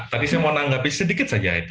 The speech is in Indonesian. tadi saya mau nanggap sedikit saja